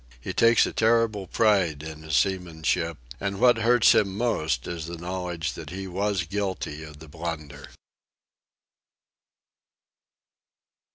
He takes a terrible pride in his seamanship, and what hurts him most is the knowledge that he was guilty of the blunder.